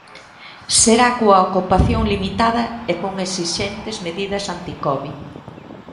Será coa ocupación limitada e con esixentes medidas anticovid.